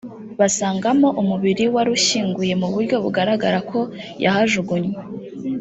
basangamo umubiri warushyinguye mu buryo bugaragara ko yahajugunywe